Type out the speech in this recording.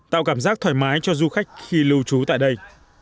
tạo cảm giác thoải mái cho du khách khi lưu trú tại đây